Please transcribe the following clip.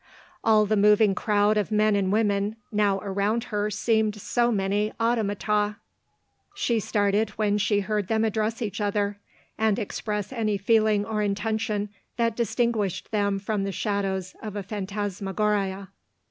All the moving crowd of men and women now around her seemed so many automata : she started when she heard them address each other, and express any feeling or intention that dis tinguished them from the shadows of a phan tasmagoria.